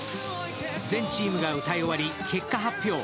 全チームが歌い終わり、結果発表。